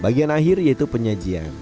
bagian akhir yaitu penyajian